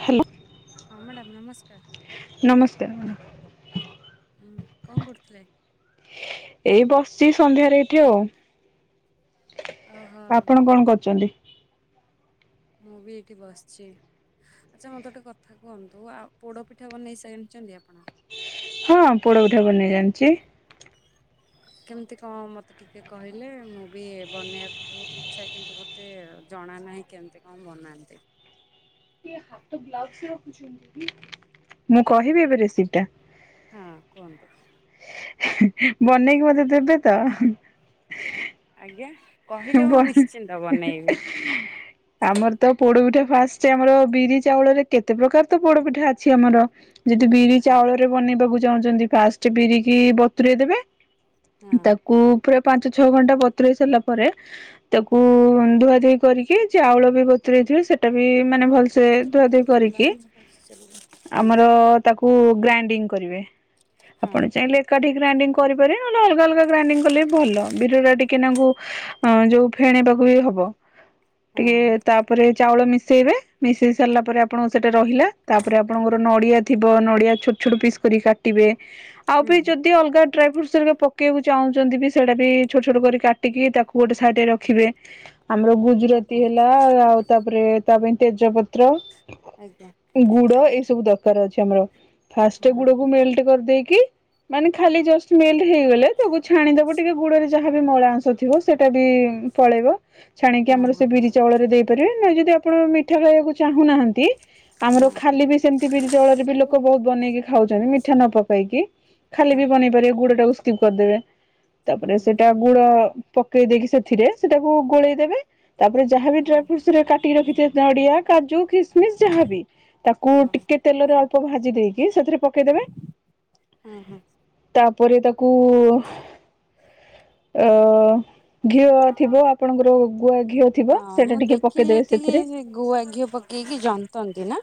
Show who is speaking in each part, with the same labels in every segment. Speaker 1: Hello.
Speaker 2: ମାମଡ଼ା ନମସ୍କାର।
Speaker 1: ନମସ୍କାର।
Speaker 2: କଁ କରୁଥିଲେ?
Speaker 1: ଏଇ ବସ୍ ଚି ସନ୍ଧ୍ୟାରେ ଏଠି ଆଉ।
Speaker 2: ଓହୋ
Speaker 1: ଆପଣ କଣ କରୁଚନ୍ତି?
Speaker 2: ମୁଁ ବି ଏଠି ବସ୍ ଚି। ଆଚ୍ଛା ମତେ ଗୋଟେ କଥା କୁହନ୍ତୁ ଆ ପୋଡ ପିଠା ବନେଇ ସେଣିଚନ୍ତି ଆପଣ?
Speaker 1: ହଁ ପୋଡପିଠା ବନେଇ ଜାଣିଚି।
Speaker 2: କେମ୍ ତି କଁ ମତେ ଟିକେ କହିଲେ ମୁଁ ବି ବନେଇବାକୁ ବହୁତ୍ ଇଚ୍ଛା କିନ୍ତୁ ମତେ ଜଣା ନାହିଁ କେମ୍ ତି କଁ ବନାନ୍ତି।
Speaker 1: ମୁଁ କହିବି ଏବେ ରେସିପିଟା।
Speaker 2: ହଁ କୁହନ୍ତୁ।
Speaker 1: ବନେଇକି ମତେ ଦେବେ ତ
Speaker 2: ଆଜ୍ଞା। କହିଲେ ମୁଁ
Speaker 1: ବ [unintelligible]
Speaker 2: ନିଶ୍ଚିନ୍ତ ବନେଇବି
Speaker 1: ଆମର ତ ପୋଡପିଠା ଫାଷ୍ଟ୍ ଆମର ବିରି ଚାଉଳରେ କେତେ ପ୍ରକାର ତ ପୋଡପିଠା ଅଛି ଆମର। ଯଦି ବିରି
Speaker 2: ହଁ
Speaker 1: ଚାଉଳ ରେ ବନେଇବାକୁ ଚାହୁଁଚନ୍ତି ଫାଷ୍ଟ୍ ବିରି କି ବତୁରଇ ଦେବେ
Speaker 2: ହଁ।
Speaker 1: ତାକୁ ପୁରା ପାଞ୍ଚ ଛଅ ଘଣ୍ଟା ବତୁରଇ ସାରିଲା ପରେ ତାକୁ
Speaker 2: ହୁଁ
Speaker 1: ଧୁଆ ଧୁଇ କରିକି ଚାଉଳ ବି ବତୁରଇ ଥିବେ ସେଟା ବି ମାନେ ଭଲ୍ ସେ ସେ ଧୁଆ ଧୁଇ କରିକି
Speaker 2: [unintelligible]
Speaker 1: ଆମର ତାକୁ ଗ୍ରାଇଣ୍ଡିଙ୍ଗ କରିବେ
Speaker 2: ହଁ
Speaker 1: ଆପଣ ଚାହିଁଲେ ଏକାଠି ଗ୍ରାଇଣ୍ଡିଙ୍ଗ କରିପାରିବେ ନହେଲେ ଅଲଗା ଅଲଗା ଗ୍ରାଇଣ୍ଡିଂ କଲେ ଭଲ ବିରି ଟିକେ ନାଙ୍କୁ ହଁ ଯୋଉ ଫେଣେଇବାକୁ ବି ହବ
Speaker 2: ହଁ
Speaker 1: ଟିକେ ତାପରେ ଚାଉଳ ମିଶେଇବେ ମିଶେଇ ସାରିଲା ପରେ ଆପଣଙ୍କ ସେଟା ରହିଲା ତାପରେ ଆପଣଙ୍କର ନଡ଼ିଆ ଥିବ ନଡ଼ିଆ ଛୋଟ ଛୋଟ ପିସ୍ କର କାଟିବେ ଆଉ
Speaker 2: ହୁଁ
Speaker 1: ବି ଯଦି ଅଲଗା ଡ୍ରାଇ ଫ୍ରୁଟ୍ସ ହେରିକା ପକେବାକୁ ଚାହୁଛନ୍ତି ବି ସେଇଟା ବି ଛୋଟ ଛୋଟ କରି କା କାଟିକି ତାକୁ ଗୋଟେ ସାଇଟିରେ ରଖିବେ ଆମର ଗୁଜୁରାତି
Speaker 2: ହଁ
Speaker 1: ହେଲା, ଆଉ ତାପରେ ତାପାଇଁ ତେଜ ପତ୍ର
Speaker 2: ଆଜ୍ଞା।
Speaker 1: ଗୁଡ଼ ଏଇ ସବୁ ଦରକାର ଅଛି ଆମର ଫାଷ୍ଟ
Speaker 2: ହଁ।
Speaker 1: ଗୁଡ଼କୁ ମେଲ୍ଟ କରିଦେଇକି ମାନେ ଖାଲି ଜଷ୍ଟ ମେଲ୍ଟ ହେଇଗଲେ ତାକୁ ଛାଣିଦବ ଟିକେ ଗୁଡ଼ରେ ଯାହାବି ମଳା ଅଂଶ ଥିବ ସେଇଟା ବି ପଳେଇବ ଛାଣିକି
Speaker 2: ହଁ
Speaker 1: ଆମର
Speaker 2: ହଁ
Speaker 1: ସେ ବିରି ଜଳରେ ଦେଇପାରିବେ ନାଇ ଯଦି ଆପଣ ମିଠା ଖାଇବାକୁ ଚାହୁଁନାହାନ୍ତି ଆମର ଖାଲି ବି ସେମିତି ବିରି ଚାଉଳରେ ବି
Speaker 2: ହଁ
Speaker 1: ଲୋକ ବହୁତ ବନେଇକି ଖାଉଛନ୍ତି ମିଠା ନ ପକେଇକି। ଖାଲି ବି
Speaker 2: ହଁ
Speaker 1: ବନେଇ ପାରିବେ ଗୁଡ଼ ଟାକୁ ସ୍କିପ୍ କରିଦେବେ ତାପରେ ସେଟା
Speaker 2: ହଁ
Speaker 1: ଗୁଡ଼ ପକେଇ ଦେଇକି ସେଥିରେ ସେଟାକୁ ଗୋଳେଇଦେବେ ତାପରେ ଯାହା ବି ଡ୍ରା ଫ୍ରୁଟସ ରେ କାଟିକି ରଖିଥିବେ ନଡ଼ିଆ, କାଜୁ ଖିସିମିସ୍, ଯାହାବି ତାକୁ
Speaker 2: ହଁ
Speaker 1: ଟିକେ ତେଲରେ ଅଳ୍ପ ଭାଜି ଦେଇକି ସେଥିରେ ପକେଇଦେବେ
Speaker 2: ହଁ, ହଁ।
Speaker 1: ତାପରେ ତାକୁ ଅ ଘିଅ ଥିବ ଆପଣଙ୍କର ଗୁଆ ଘିଅ ଥିବ
Speaker 2: ହଁ ମୁଁ
Speaker 1: ସେଇଟା ଟିକେ
Speaker 2: ଦେଖିଛି
Speaker 1: ପକେଇଦେବେ
Speaker 2: ଯେତିକି
Speaker 1: ସେଥିରେ
Speaker 2: ସେ ଗୁଆ ଘିଅ ପକେଇକି ଜନ୍ତନ୍ତି ନା।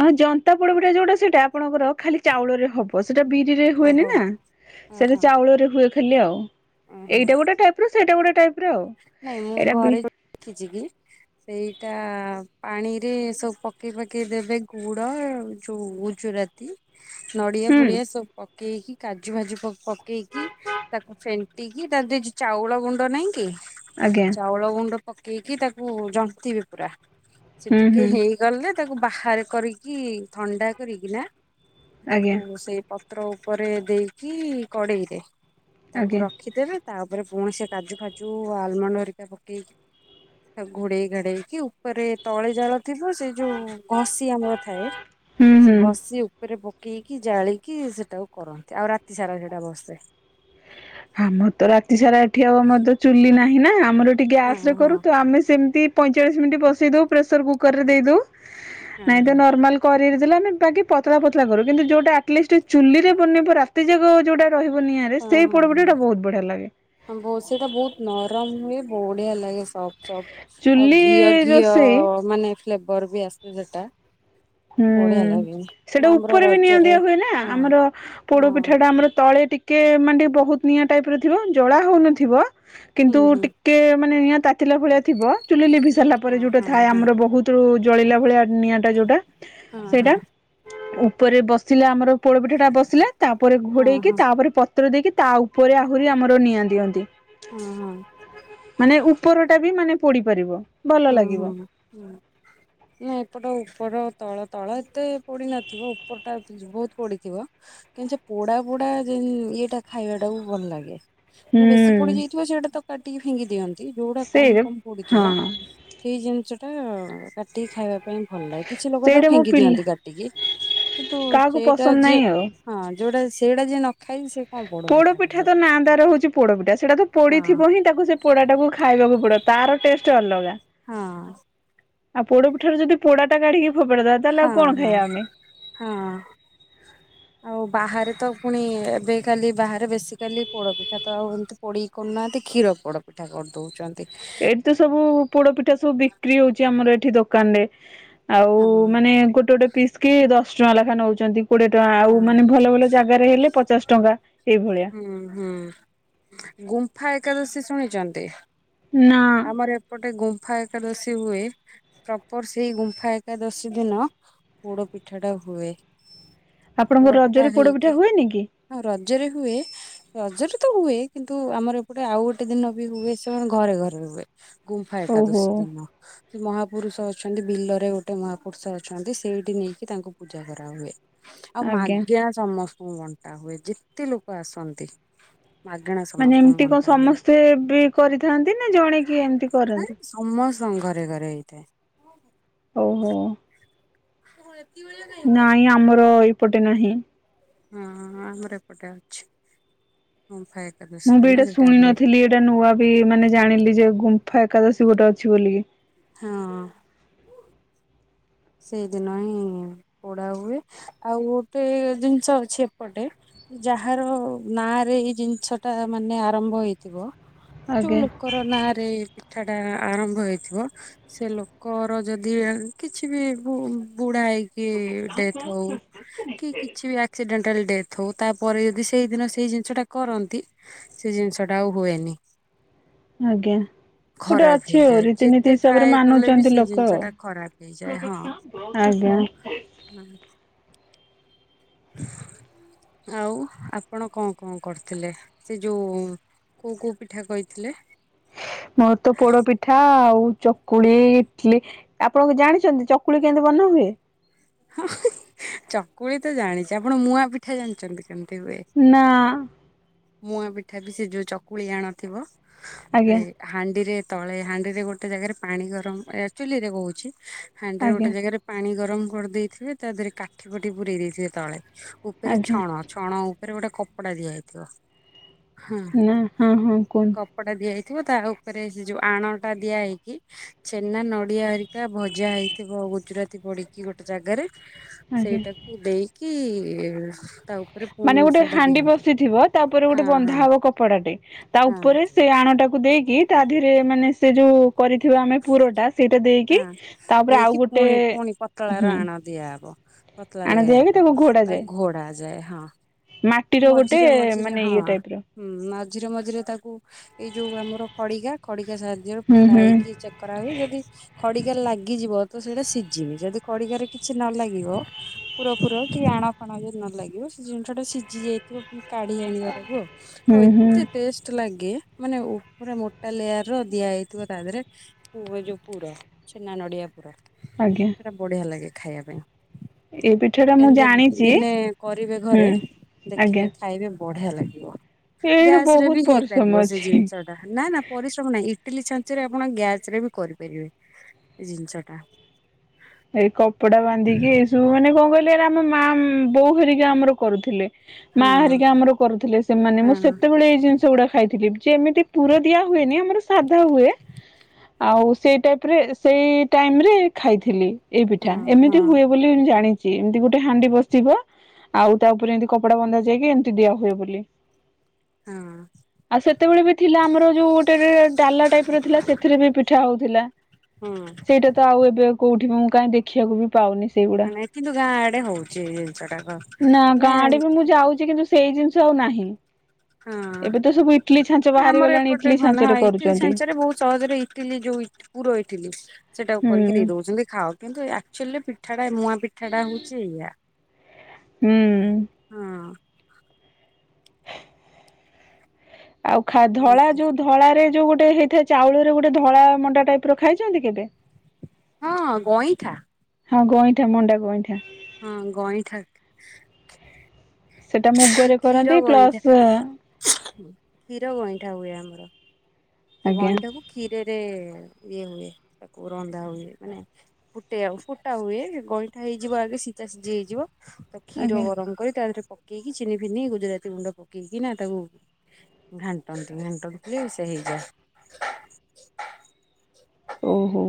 Speaker 1: ହଁ ଜନ୍ତା ପୋଡବିଟା ଯୋଉଟା ସେଇଟା ଆପଣଙ୍କର ଖାଲି ଚାଉଳରେ ହବ। ସେଟା ବିରିରେ ହୁଏନି
Speaker 2: ଓହୋ।
Speaker 1: ନା ସେଟା
Speaker 2: ଓହୋ
Speaker 1: ଚାଉଳରେ ହୁଏ ଖାଲି ଆଉ
Speaker 2: ଓହୋ
Speaker 1: ଏଇଟା ଗୋଟେ ଟାଇପ ସେଇଟା ଗୋଟେ ଟାଇପ୍ ର ଆଉ।
Speaker 2: ନାଇଁ ମୁଁ
Speaker 1: ଏଇଟା ବି
Speaker 2: ଘରେ ଦେଖିଛି କି ସେଇଟା ପାଣିରେ ସବୁ ପକେଇ ପକେଇ ଦେବେ ଗୁଡ଼ ଯୋଉ ଗୁଜୁରାତି ନଡିଆ
Speaker 1: ହୁଁ
Speaker 2: ପୁଡିଆ ସବୁ ପକେଇକି କାଜୁ, ଭାଜୁ ପ ପକେଇକି ତାକୁ ଫେଣ୍ଟିକି ତା ଦେ ଚାଉଳ ଗୁଣ୍ଡ ନାଇଁ କି
Speaker 1: ଆଜ୍ଞା।
Speaker 2: ଚାଉଳ ଗୁଣ୍ଡ ପକେଇକି ତାକୁ ଜନ୍ତିବେ ପୂରା ସେ
Speaker 1: ହୁଁ
Speaker 2: ଟିକେ
Speaker 1: ହୁଁ
Speaker 2: ହେ ଗଲେ ତାକୁ ବାହାରେ କରିକି ଥଣ୍ଡା କରିକିନା
Speaker 1: ଆଜ୍ଞା
Speaker 2: ତାକୁ ସେ ପତ୍ର ଉପରେ ଦେଇକି କଡ଼େଇରେ
Speaker 1: ଆଜ୍ଞା
Speaker 2: ତାକୁ ରଖିଦେବେ ତାପରେ ଫୁଣି ସେ କାଜୁ, ଫାଜୁ, ଆଲମଣ୍ଡ ହରିକା ପକେଇକି ଘୋଡେଇ ଘାଡେଇକି ଉପରେ ତଳେ ଜାଳ ଥିବ ସେ ଯୋଉ ଘଷି ଆମର ଥାଏ
Speaker 1: ହୁଁ
Speaker 2: ସେ
Speaker 1: ହୁଁ।
Speaker 2: ଘଷି ଉପରେ ପକେଇକି ଜାଳିକି ସେଟାକୁ କରନ୍ତି ଆଉ ରାତି ସାରା ସେଟା ବସେ।
Speaker 1: ଆମର ତ ରାତି ସାରା ଏଠି ଆଉ ଆମର ତ ଚୁଲି ନାହିଁ ନା ଆମର ଏଠି
Speaker 2: ହଁ
Speaker 1: ଗ୍ୟାସ୍ ରେ କରୁ
Speaker 2: ହଁ।
Speaker 1: ତ ଆମେ ସେମିତି ପଇଁଚାଳିଶ ମିନିଟ୍ ବସେଇ ଦେବୁ ପ୍ରେସର କୁକରରେ ଦେଇଦେବୁ
Speaker 2: ହଁ
Speaker 1: ନାଇଁ ତ
Speaker 2: ହଁ।
Speaker 1: ନର୍ମାଲ କଡେଇରେ ଦେଲେନେ ବାକି ପତଳା ପତଳା କରୁ କିନ୍ତୁ ଯୋଉଟା ଆଟଲିଷ୍ଟ ଚୁଲି ରେ ବନେଇବ ରାତି ଯାକ ଯୋଉଟା ରହିବ ନିଆଁରେ
Speaker 2: ହଁ
Speaker 1: ସେଇ
Speaker 2: ହଁ ହଁ
Speaker 1: ପୋଡ଼ପିଠାଟା ବହୁତ ବଢ଼ିଆ ଲାଗେ।
Speaker 2: ହଁ ସେଇଟା ବହୁତ ନରମ ହୁଏ, ବଢ଼ିଆ ଲାଗେ ସଫ୍ଟ୍ ସଫ୍ଟ। ଆଉ
Speaker 1: ଚୁଲି
Speaker 2: ଘିଅ, ଘିଅ
Speaker 1: ରୋଷେଇ
Speaker 2: ମାନେ ଫ୍ଲେବର ବି ଆସେ ସେଟା।
Speaker 1: ହୁଁ
Speaker 2: ବଢିଆ ଲାଗେ।
Speaker 1: ସେଟା
Speaker 2: ଆମର
Speaker 1: ଉପରେ ବି ନିଆଁ
Speaker 2: ରଜରେ
Speaker 1: ଦିଆ ହୁଏନା
Speaker 2: ହଁ
Speaker 1: ଆମର ପୋଡ଼
Speaker 2: ହଁ।
Speaker 1: ପିଠା ଟା ଆମର ତଳେ ଟିକେ ମାନେ ବହୁତ ନିଆଁ ଟାଇପ୍ ର ଥିବ ଜଲା ହଉନଥିବ
Speaker 2: ହୁଁ
Speaker 1: କିନ୍ତୁ
Speaker 2: ହୁଁ
Speaker 1: ଟିକେ ମାନେ ନିଆଁ ତାତିଲା ଭଳିଆ ଥିବ ଚୁଲି ଲିିଭି ସାରିଲା ପରେ
Speaker 2: ହଁ
Speaker 1: ଯୋଉଟା ଥାଏ
Speaker 2: ହଁ
Speaker 1: ଆମର ବହୁତ୍। ତୁ ଜଳିଲା ଭଳିଆ ନିଆଁ ଟା ଯୋଉଟା ତୁ
Speaker 2: ହଁ ହଁ
Speaker 1: ସେଇଟା ଉପରେ ବସିଲା ଆମର ପୋଡ ପିଠା ଟା ବସିଲା ତାପରେ
Speaker 2: ହଁ ହଁ
Speaker 1: ଘୋଡେଇକି
Speaker 2: ହଁ
Speaker 1: ତାପରେ ପ ତ୍ର ଦେଇକି ତା ଉପରେ ଆହୁରି ଆମର ନିଆଁ ଦିଅନ୍ତି।
Speaker 2: ହଁ ହଁ।
Speaker 1: ମାନେ ଉପର ଟା ବି ମାନେ ପୋଡି ପାରିବ। ଭଲ
Speaker 2: ହଁ
Speaker 1: ଲାଗିବ
Speaker 2: ହଁ। ନା ଏପଟ ଉପର ତଳ ତଳ ଏତେ ପୋଡି ନଥିବ ଉପର ଟା ବହୁତ୍ ପୋଡିଥିବ। କିନ୍ତୁ ସେ ପୋଡା ପୋଡା ଯେ ଇଏଟା ଖାଇବାଟାକୁୁ ଭଲ ଲାଗେ। ମାନେ ବେଶୀ
Speaker 1: ହୁଁ
Speaker 2: ପୋଡି ଯାଇଥିବ ସେଇଟା ତ କାଟିକି ଫିଙ୍ଗି ଦିଅନ୍ତି ଯୋଉଟା କମ
Speaker 1: ସେଇଟା
Speaker 2: କମ ପୋଡିଥିବ।
Speaker 1: ହଁ
Speaker 2: ସେଇ ଜିନିଷ ଟା କାଟିକି ଖାଇବା ପାଇଁ ଭଲ ଲାଗେ କିଛି ଲୋକ ତାକୁ
Speaker 1: ସେଇଟା ମୋ
Speaker 2: ଫିଙ୍କି
Speaker 1: ପିଲା
Speaker 2: ଦିଅନ୍ତି କାଟିକି। କିନ୍ତୁ
Speaker 1: କାହାକୁ
Speaker 2: ସେଇଟା
Speaker 1: ପସନ୍ଦ
Speaker 2: ଯିଏ
Speaker 1: ନାହିଁ ଆଉ।
Speaker 2: ହଁ ଯୋଉଟା ସେଇଟା ଯିଏ ନ ଖାଇ ସେ କଣ
Speaker 1: ପୋଡ ପିଠା
Speaker 2: ଖାଇବ
Speaker 1: ତ ନାଁ ତାର ହଉଛି ପୋଡପିଠା ସେଇଟା ତ
Speaker 2: ହଁ
Speaker 1: ପୋଡିଥିବ ହିଁ। ତାକୁ ସେ ପୋଡା ଟାକୁ ଖାଇବାକୁ ପୋଡ ତାର ଟେଷ୍ଟ ଅଲଗା।
Speaker 2: ହଁ।
Speaker 1: ଆଉ ପୋଡ ପିଠାରେ ଯଦି ପୋଡା କାଢିକି ଫୋପଡାବା ତାହେଲେ
Speaker 2: ହଁ
Speaker 1: ଆଉ କଣ
Speaker 2: ହଁ
Speaker 1: ଖାଇବା ଆମେ?
Speaker 2: ହଁ ଆପ୍। ଆଉ ବାହାରେ ତ ପୁଣି ଏବେ କାଲି ବାହାରେ ବେଶୀ କାଲି ପୋଡପିଠା ତ ଆଉ ହଉ ପୋଡ଼ିକି କରୁନାହାନ୍ତି କ୍ଷୀର ପୋଡ଼ ପିଠା କରିଦଉଚନ୍ତି।
Speaker 1: ଏଇଠି ତ ସବୁ ପୋଡ ପିଠା ସବୁ ବିକ୍ରି ହଉଛି ଆମର ଏଠି ଦୋକାନ ରେ। ଆଉ
Speaker 2: ହଁ।
Speaker 1: ମାନେ ଗୋଟେ ଗୋଟେ ପିସ୍ କି ଦଶ ଟଙ୍କା ଲେଖା ନଉଚନ୍ତି। କୋଡିଏ ଟଙ୍କା
Speaker 2: ହଁ
Speaker 1: ଆଉ ମାନେ ଭଲ ଭଲ ଜାଗାରେ ହେଲେ ପଚାଶ ଟଙ୍କା ଏଇଭଳି
Speaker 2: ହୁଁ ହୁଁ ଗୁମ୍ଫା ଏକାଦଶୀ ଶୁଣିଚନ୍ତି?
Speaker 1: ନା।
Speaker 2: ଆମର ଏପଟେ ଗୁମ୍ଫା ଏକାଦଶୀ ହୁଏ। ପ୍ରପର ସେଇ ଗୁମ୍ଫା ଏକାଦଶୀ ଦିନ ପୋଡ ପିଠା ଟା ହୁଏ।
Speaker 1: ଆପଣଙ୍କ ରଜରେ ପୋଡ ପିଠା ହୁଏ ନିକି?
Speaker 2: ଆ ରଜରେ ହୁଏ। ରଜରେ ତ ହୁଏ କିନ୍ତୁ ଆମର ଏପଟେ ଆଉ ଗୋଟେ ଦିନ ବି ହୁଏ ସେ ଘରେ ଘରେ। ହୁଏ ଗୁମ୍ଫା ଏକା
Speaker 1: ଓହୋ
Speaker 2: ଦଶି ଦିନ। ସେ ମହାପୁରୁଷ ଅଛନ୍ତି ବିଲରେ ଗୋଟେ ମହାପୁରୁଷ ଅଛନ୍ତି ସେଇଠି ନେଇକି ତାଙ୍କୁ ପୂଜା କରାହୁଏ। ଆଉ
Speaker 1: ଆଜ୍ଞା।
Speaker 2: ମାଜ୍ଞା ସମସ୍ତଙ୍କୁ ବଣ୍ଟା ହୁଏ ଯେତେ ଲୋକ ଆସନ୍ତି। ମାଗଣା
Speaker 1: ମାନେ
Speaker 2: ସମସ୍ତଙ୍କୁ
Speaker 1: ଏମିତି କଣ
Speaker 2: ବଣ୍ଟା ହୁଏ
Speaker 1: ସମସ୍ତେ ବି କରିଥାନ୍ତି ନା ଜଣେ କିଏ ଏମତି
Speaker 2: ମାନେ
Speaker 1: କରନ୍ତି?
Speaker 2: ସମସ୍ତଙ୍କ ଘରେ ଘରେ ହେଇଥାଏ।
Speaker 1: ଓହୋ।
Speaker 2: [inaudible]
Speaker 1: ନାଇଁ ଆମର ଏପଟେ ନାହିଁ।
Speaker 2: ହଁ ହଁ ଆମର ଏପଟେ ଅଛି। ଗୁମ୍ଫା ଏକାଦ
Speaker 1: ମୁଁ ବି ଏଇଟା ଶୁଣି ନଥିଲି ଏଇଟା ନୂଆ ବି ମାନେ ଜାଣିଲି ଯେ ଗୁମ୍ଫା ଏକାଦଶୀ ଗୋଟେ ଅଛି ବୋଲିକି।
Speaker 2: ହଁ। ସେଇଦିନ ହିଁ ପୋଡା ହୁଏ ଆଉ ଗୋଟେ ଜିନିଷ ଅଛି ଏପଟେ। ଯାହାର ନାଁ ରେ ଏଇ ଜିନିଷ ଟା ମାନେ ଆରମ୍ଭ ହେଇଥିବ। ଯୋଉ
Speaker 1: ଆଜ୍ଞା
Speaker 2: ଲୋକର ନାଁରେ ପିଠା ଟା ଆରମ୍ଭ ହେଇଥିବ ସେ ଲୋକର ଯଦି ଏମିତି କିଛି ବି ବୁଢା ହେଇକି ଡେଥ୍ ହୋଉ। କି କିଛି ବି ଆକ୍ସିଡେଣ୍ଟ ହେଲେ ଡେଥ୍ ହଉ ତାପରେ ଯଦି ସେଇଦିନ ସେଇ ଜିନିଷ ଟା କରନ୍ତି ସେ ଜିନିଷ ଟା ଆଉ ହୁଏନି।
Speaker 1: ଆଜ୍ଞା ଗୋଟେ
Speaker 2: ଖରାପ
Speaker 1: ଅଛି ଆଉ
Speaker 2: ହେଇଯାଏ
Speaker 1: ରୀତିନୀତି
Speaker 2: ଯେତେ
Speaker 1: ହିସାବରେ
Speaker 2: ଟ୍ରାଏ କଲେ ବି
Speaker 1: ମାନୁଛନ୍ତି
Speaker 2: ସେ
Speaker 1: ଲୋକ
Speaker 2: ଜିନିଷ ଟା ଖରାପ ହେଇଯାଏ
Speaker 1: ଆଉ।
Speaker 2: ହଁ
Speaker 1: ଆଜ୍ଞା।
Speaker 2: [inaudible] ଆଉ ଆପଣ କଣ କଣ କରିଥିଲେ ସେ ଯୋଉ କୋଉ କୋଉ ପିଠା କହିଥିଲେ?
Speaker 1: ମୋର ତ ପୋଡପି ପିଠା ଆଉ ଚକୁଳି ଇଟଲି ଆପଣ ଜାଣିଛନ୍ତି ଚକୁଳି କେମିତି ବନା ହୁଏ?
Speaker 2: ହଁ ଚକୁଳି ତ ଜାଣିଛି ଆପଣ ମୁଆଁପିଠା ଜାଣିଛନ୍ତି କେମିତି ହୁଏ।
Speaker 1: ନା।
Speaker 2: ମୁଆଁ ପିଠା ବି ସେ ଯୋଉ ଚକୁଳି ଆଣଥିବ ଏ
Speaker 1: ଆଜ୍ଞା
Speaker 2: ହାଣ୍ଡିରେ ତଳେ ହାଣ୍ଡିରେ ଗୋଟେ ଜାଗାରେ ପାଣି ଗରମ ଚୁଲିରେ। [unintelligible] ହାଣ୍ଡିରେ
Speaker 1: ଆଜ୍ଞା
Speaker 2: ଗୋଟେ ଜାଗାରେ ପାଣି ଗରମ କରିଦେଇଥିବେ ତା ଦେହରେ କାଠି ଫାଟି ପୁରେଇ ଦେଇଥିବେ ତଳେ। ଉପରେ
Speaker 1: ଆଜ୍ଞା
Speaker 2: ଛଣ ଛଣ ଉପରେ ଗୋଟେ କପଡ଼ା ଦିଆଯାଇଥିବ।
Speaker 1: ନା ହଁ ହଁ କୁହନ୍ତୁ?
Speaker 2: କପଟା ଦିଆଯାଇଥିବ ତା ଉପରେ ସେ ଯୋଉ ଆଣ ଟା ଦିଆ ହେଇକି ଛେନା ନଡିଆ ହରିକା ଭଜା ହେଇଥିବ ଗୁଜୁରାତି ପଡିକି ଗୋଟେ ଜାଗାରେ
Speaker 1: ଆଜ୍ଞା।
Speaker 2: ସେଇଟାକୁ ଦେଇକି ତା ଉପରେ ପୁଣି
Speaker 1: ମାନେ ଗୋଟେ
Speaker 2: ସେଟା
Speaker 1: ହାଣ୍ଡି
Speaker 2: ଦିଅନ୍ତି
Speaker 1: ବଶିଥିବ ତାପରେ
Speaker 2: ହଁ
Speaker 1: ଗୋଟେ ବନ୍ଧା
Speaker 2: ହଁ
Speaker 1: ହବ କପଡାଟେ ତା
Speaker 2: ହଁ
Speaker 1: ଉପରେ ସେଇ ଆଣୁଟାକୁ ଦେଇ କି ତା ଦେହରେ ମାନେ ସେ ଯୋଉ କରିଥିବା ଆମେ ପୁର ଟା ସେଇଟା ଦେଇକି
Speaker 2: ହଁ
Speaker 1: ତାପରେ ଆଉ
Speaker 2: ଦେଇକି
Speaker 1: ଗୋଟେ
Speaker 2: ପୁଣି ପୁଣି ପତଳାର
Speaker 1: ହୁଁ
Speaker 2: ଆଣ ଦିଆହବ ପତଳା
Speaker 1: ଆଣ
Speaker 2: ଲେ
Speaker 1: ଦିଆହେଇକି
Speaker 2: ଆଗ
Speaker 1: ତାକୁ ଘୋଡା
Speaker 2: ତା
Speaker 1: ଯାଏ
Speaker 2: ଘୋଡ଼ ଆ ଯଏ ହଁ
Speaker 1: ମାଟିର ଗୋଟେ
Speaker 2: ମଝିରେ ମଝିରେ
Speaker 1: ମାନେ
Speaker 2: ହଁ
Speaker 1: ଇଏ ଟାଇପର।
Speaker 2: ହୁଁ ମଝିରେ ମଝିରେ ତାକୁ ଏଇ ଯୋଉ ଆମର ଖଡିିକା ଖଡିିକା ସାହାଯ୍ୟରେ
Speaker 1: ହୁଁ
Speaker 2: ଫୁଟା
Speaker 1: ହୁଁ
Speaker 2: ହେଇକି ଚେକ୍ କରା ହୁଏ ଯଦି ଖଡ଼ିକା ଲାଗିଯିବ ତ ସେଇଟା ସିଝିନି ଯଦି ଖଡିକାରେ କିଛି ନ ଲାଗିବ ପୁର ଫୁର କି ଆଣ ଫାଣ ଯି ନ ଲାଗିବ ସେ ଜିନିଷ ଟା ସ ଜି ଯାଇଥିବ ପୁଣି କାଢି ଆଣିବା ତାକୁ ଆ
Speaker 1: ହୁଁ
Speaker 2: ଆଉ
Speaker 1: ହୁଁ
Speaker 2: ଏତେ ଟେଷ୍ଟ ଲାଗେ ମାନେ ଉପରେ ମୋଟା ଲେୟାର ର ଦିଆଯାଇଥିବ ତା ଦେହରେ ପୁ ଯୋଉ ପୁର ଛେନା ନଡିଆ ପୁର।
Speaker 1: ଆଜ୍ଞା।
Speaker 2: ସେଟା ବଢିଆ ଲାଗେ ଖାଇଆ ପାଇଁ।
Speaker 1: ଏବେ
Speaker 2: କେମିତି ଦିନେ କରିବେ
Speaker 1: ହୁଁ
Speaker 2: ଘରେ ଦେଖିବେ
Speaker 1: ଆଜ୍ଞା
Speaker 2: ଖାଇବେ ବଢିଆ ଲାଗିବ।
Speaker 1: ଏଇର
Speaker 2: ଗ୍ୟାସ ରେ
Speaker 1: ବହୁତ
Speaker 2: ବି
Speaker 1: ପରିଶ୍ରମ
Speaker 2: ହେଇପାରିବ ସେ
Speaker 1: ଅଛି।
Speaker 2: ଜିନିଷ। ନା ନା ପରିଶ୍ରମ ନାହିଁ ଇଟିଲି ଛାଞ୍ଚରେ ଆପଣ ଗ୍ୟାସ ରେ ବି କରିପାରିବେ। ଏ ଜିନିଷ ଟା।
Speaker 1: ଏଇ କପଡା ବାନ୍ଧିକି ଏଇ ସବୁ ମାନେ କଣ କହିଲେ ଆମ ମା ବୋଉ ଘରିକା ଆମର କରୁଥିଲେ।
Speaker 2: ହଁ
Speaker 1: ମା ଘରିକା ଆମର କରୁଥିଲେ ସେମାନେ
Speaker 2: ହଁ
Speaker 1: ମୁଁ ସେତେବେଳେ ଏଇ ଜିନିଷ ଗୁଡା ଖାଇଥିଲି। [unintelligible] ଯେ ଏମିତି ପୁର ଦିଆ ହୁଏନି ଆମର ସାଧା ହୁଏ। ଆଉ ସେଇ ଟାଇପରେ ସେଇ ଟାଇମ୍ ରେ ଖାଇଥିଲି। ଏଇ
Speaker 2: ହଁ
Speaker 1: ପିଠା
Speaker 2: ହଁ
Speaker 1: ଏମିତି ହୁଏ ବୋଲି ଜାଣିଛି ଏମିତି ଗୋଟେ ହାଣ୍ଡି ବସିବ ଆଉ ତା ଉପରେ ଏମିତି କପଡା ବନ୍ଧା ଯାଇକି ଏମିତି ଦିଆ ହୁଏ ବୋଲି।
Speaker 2: ହଁ।
Speaker 1: ଆଉ ସେତେବେଳେ ବି ଥିଲା ଆମର ଯୋଉ ଗୋଟେ ଡାଲା ଟାଇପ ର ଥିଲା ସେଥିରେ ବି ପିଠା ହଉଥିଲା
Speaker 2: ହୁଁ
Speaker 1: ସେଇଟା ତ ଆଉ ଏବେ କୋଉଠି ମୁଁ କାଇହିଁ ଦେଖିବାକୁ ବି ପାଉନି ସେଇଗୁଡା
Speaker 2: ନାଇଁ କିନ୍ତୁ ଗାଁ ଆଡେ ହଉଛି ଏଇ ଜିନିଷ ଟାକ
Speaker 1: ନା
Speaker 2: ମାନେ ହଁ
Speaker 1: ଗାଁଡେ ବି ମୁଁ ଯାଉଛି କିନ୍ତୁ ସେଇ ଜିନିଷ ଆଉ ନାହିଁ ଏବେ ତ ସବୁ ଇଟଲି ଛାଞ୍ଚ
Speaker 2: ହଁ ଆମର
Speaker 1: ବାହାରିଗଲାଣି
Speaker 2: ଏପଟେ
Speaker 1: ଇଟଲି
Speaker 2: ଘନ
Speaker 1: ଛାଞ୍ଚରେ
Speaker 2: ହଁ ଇଟିଲି
Speaker 1: କରୁଛନ୍ତି
Speaker 2: ସାଞ୍ଚ ରେ ବହୁତ ସହଜରେ ଇଟିଲି ଯୋଉ ପୁର ଇଥିଲି ସେଟାକୁ
Speaker 1: ହୁଁ
Speaker 2: କରିକି ଦେଇ ଦଉଛନ୍ତି ଖାଅ କିନ୍ତୁ ଆଚୁଆଲି ପିଠାଟା ନୂଆ ପିଠାଟା ହଉଛି ଇଆ
Speaker 1: ହୁଁ।
Speaker 2: ହଁ।
Speaker 1: ଆଉ ଖା
Speaker 2: ଆଉ
Speaker 1: ଧଳା
Speaker 2: କଣ
Speaker 1: ଯୋଉ ଧଳରେ ଯୋଉ ଗୋଟେ ହେଇଥାଏ ଚାଉଳ ରେ ଗୋଟେ ଧଳା ମଣ୍ଡା ଟାଇପ ର ଖାଇଛନ୍ତି କେବେ
Speaker 2: ହଁ ଗଇଁଠା
Speaker 1: ହଁ ଗଇଁଠା ମଣ୍ଡା ଗଇଁଠା
Speaker 2: ହଁ ଗଇଁଠା
Speaker 1: ସେଟା ମୁଗରେ
Speaker 2: କ୍ଷୀର
Speaker 1: କରନ୍ତି
Speaker 2: ଗଇଁଠା
Speaker 1: ପ୍ଲସ
Speaker 2: କ୍ଷୀର ଗଇଁଠା ହୁଏ ଆମର ସେ
Speaker 1: ଆଜ୍ଞା
Speaker 2: ଗଇଁଟାକୁ କ୍ଷୀରରେ ଇଏ ହୁଏ ତାକୁ ରନ୍ଧା ହୁଏ ମାନେ ଫୁଟେ ଆଉ ଫୁଟା ହୁଏ ଗଇଁଠା ହେଇଯିବ ଆଗେ ସୀତା ସିଝି ହେଇଯିବ କ୍ଷୀର
Speaker 1: ଆଜ୍ଞା
Speaker 2: ଗରମ କରି ତାହରେ ପକେଇକି ଚିନି ଫିନି ଗୁଜୁରାତି ଗୁଣ୍ଡ ପକେଇକି ନା ତାକୁ ଘାଣ୍ଟନ୍ତି ଘାଣ୍ଟଟି ଫଲି ସେ ହେଇଯା
Speaker 1: ଓହୋ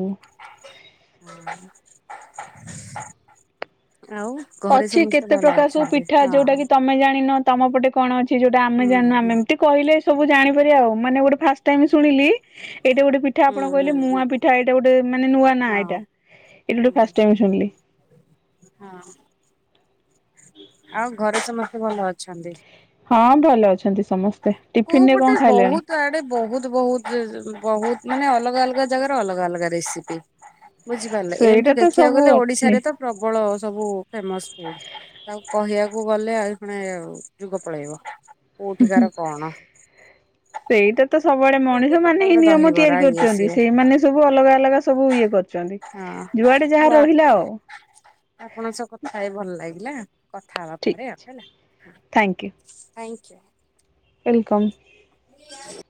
Speaker 2: ହଁ ଆଉ ଘରେ
Speaker 1: ଅଛି
Speaker 2: ସମସ୍ତେ
Speaker 1: କେତେ
Speaker 2: ଭଲ
Speaker 1: ପ୍ରକାର ସବୁ
Speaker 2: ଅଛନ୍ତି
Speaker 1: ପିଠା ଯୋଉଟା
Speaker 2: ହଁ
Speaker 1: କି ତମେ ଜାଣିନ ତମ ପଟେ କଣ ଅଛି ଯୋଉଟା ଆମେ
Speaker 2: ହୁଁ
Speaker 1: ଜାଣିନ ଆମେ ଏମତି କହିଲେ ସବୁ ଜାଣିପାରିବା ଆଉ ମାନେ ଗୋଟେ ଫାଷ୍ଟ ଟାଇମ ଶୁଣିଲି ଏଇଟା ଗୋଟେ ପିଠା
Speaker 2: ହୁଁ
Speaker 1: ଆପଣ
Speaker 2: ହୁଁ
Speaker 1: କହିଲେ
Speaker 2: ହୁଁ ହୁଁ
Speaker 1: ମୁଆ ପିଠା ଏଇଟା ଗୋଟେ ମାନେ ନୂଆ ନାଁ
Speaker 2: ହଁ
Speaker 1: ଏଇଟା। ଏଇଠୁ
Speaker 2: ହୁଁ
Speaker 1: ଫାଷ୍ଟ ଟାଇମ୍ ଶୁଣିଲି।
Speaker 2: ହଁ।
Speaker 1: ହୁଁ
Speaker 2: ଆଉ ଘରେ ସମସ୍ତେ ଭଲ ଅଛନ୍ତି।
Speaker 1: ହଁ ଭଲ ଅଛନ୍ତି ସମସ୍ତେ ଟିଫିନ ରେ କଣ ଖାଇଲେଣି?
Speaker 2: ତ ଆଡେ ବହୁତ ବହୁତ ବହୁତ ମାନେ ଅଲଗା ଅଲଗା ଜାଗାରେ ଅଲଗା ଅଲଗା ରେସିପି। ବୁଝିପାରିଲେ
Speaker 1: ସେଇଟା
Speaker 2: ଏମତି
Speaker 1: ତ
Speaker 2: ଦେଖିବାକୁ
Speaker 1: ସବୁ
Speaker 2: ଗଲେ
Speaker 1: ଅଛି
Speaker 2: ଓଡିଶାରେ ତ ପ୍ରବଳ ସବୁ ଫେମସ ଫୁଡ। ତାକୁ କହିବାକୁ ଗଲେ ଆଉ ପୁଣେ ଯୁଗ ପଳେଇବ କୋଉଠିକାର କଣ?
Speaker 1: ସେଇଟା ତ ସବୁଆଡେ
Speaker 2: ଯେମିତି
Speaker 1: ମଣିଷ ମାନେ ହିଁ
Speaker 2: କଟକରେ
Speaker 1: ନିୟମ
Speaker 2: ଦହିବରା
Speaker 1: ତିଆରି
Speaker 2: ଇଏ
Speaker 1: କରୁଛନ୍ତି
Speaker 2: ସିଏ
Speaker 1: ସେଇମାନେ ସବୁ ଅଲଗା ଅଲଗା ସବୁ ଇଏ କରୁଛନ୍ତି। ଯୁଆଡେ ଯାହା ରହିଲା ଆଉ
Speaker 2: ଆପଣ ସ କଥା ହେଇକି ଭଲ ଲାଗିଲା। କଥା ହବା
Speaker 1: ଠିକ
Speaker 2: ପରେ
Speaker 1: ଥ୍ୟାଙ୍କ
Speaker 2: କାହିଁକି?
Speaker 1: ୱେଲକମ୍।
Speaker 2: [inaudible]